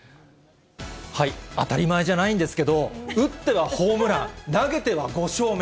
当たり前じゃないんですけど、打ってはホームラン、投げては５勝目。